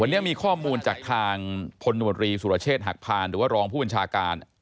วันนี้มีข้อมูลจากทางพลตำรวจรีสุรเชษฐ์หักพานหรือว่ารองผู้บัญชาการ